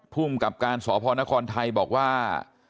ภูมิกับการสพนครไทยบอกว่า